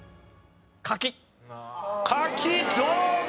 柿どうだ？